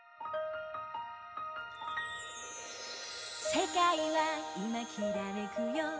「世界はいまきらめくよ」